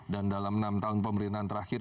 dan dalam enam tahun pemerintahan terakhir